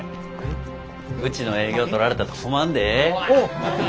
うちの営業取られたら困んで。